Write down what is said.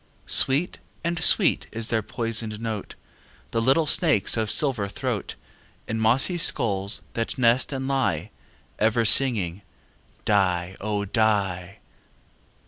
Sweet and sweet is their poisoned note, The little snakes' of silver throat, In mossy skulls that nest and lie, Ever singing "die, oh! die."